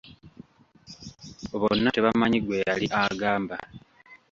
Bonna tebamanyi gwe yali agamba.